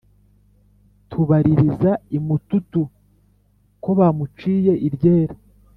Tubaririza i Mututu ko bamuciye iryera